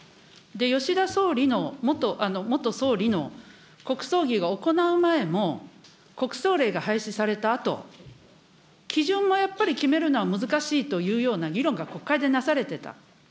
吉田総理の、元総理の、国葬儀が行う前も、国葬令が廃止されたあと、基準もやっぱり決めるのは難しいというような議論が国会でなされてた。